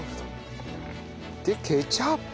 でケチャップ。